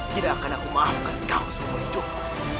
tidak akan aku maafkan kau seumur hidupku